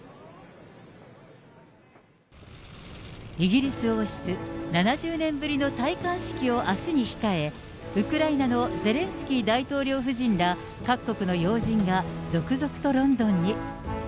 イギリス王室７０年ぶりの戴冠式をあすに控え、ウクライナのゼレンスキー大統領夫人ら、各国の要人が続々とロンドンに。